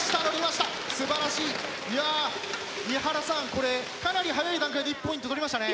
これかなり早い段階で１ポイント取りましたね。